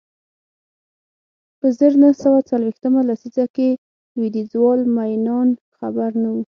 په زر نه سوه څلویښتمه لسیزه کې لوېدیځوال مینان خبر نه و